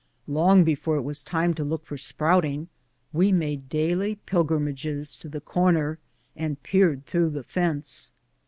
Long before it was time to look for sprouting, we made daily pilgrimages to the corner and peered through the fence.